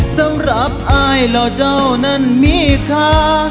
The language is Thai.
สำหรับอายหล่อเจ้านั้นมีค่า